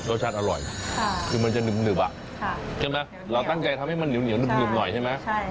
รสชาติอร่อยคือมันจะหนึบใช่ไหมเราตั้งใจทำให้มันเหนียวหนึบหน่อยใช่ไหม